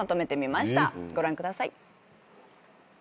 ご覧ください。